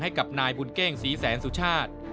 ให้กับนายบุญเก้งศรีแสนสุชาติ